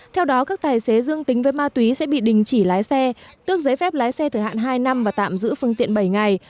theo đó các tài xế dương tính với ma túy sẽ bị đình chỉ lái xe tước giấy phép lái xe thời hạn hai năm và tạm giữ phương tiện bảy ngày